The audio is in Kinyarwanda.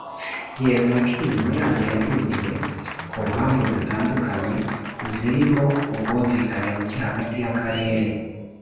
yemera ko imirimo yaryo yadindiye ku mpamvu zitandukanye zirimo ubwumvikane bucye hagati y’akarere